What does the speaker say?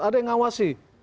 ada yang ngawasi